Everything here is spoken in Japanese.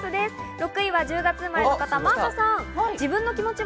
６位は１０月生まれの方、真麻さん。